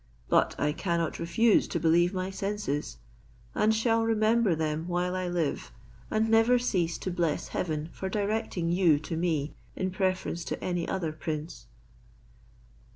But I cannot refuse to believe my senses; and shall remember them while I live, and never cease to bless heaven for directing you to me, in preference to any other prince."